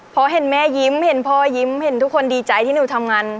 พอเห็นแม่ยิ้มเห็นพ่อยิ้มเห็นทุกคนดีใจที่หนูทำงาน